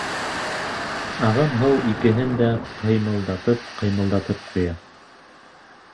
Ағым һыу икеһен дә ҡыймылдатып-ҡыймылдатып ҡуя.